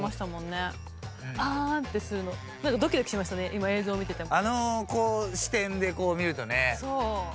今映像見てても。